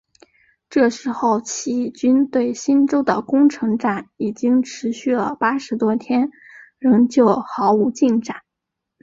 这时候起义军对梓州的攻城战已经持续了八十多天仍旧毫无进展。